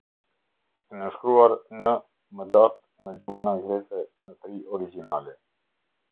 E nënshkruar në më datë në gjuhën angleze, në tri origjinale.